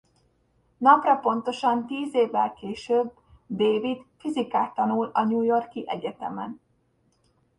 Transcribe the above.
Napra pontosan tíz évvel később David fizikát tanul a New York-i egyetemen.